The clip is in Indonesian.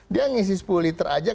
dia ngisi sepuluh liter aja